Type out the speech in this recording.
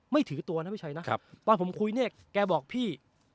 ไม่ถือตัวนะไม่ใช่นะครับตอนผมคุยเนี่ยแกบอกพี่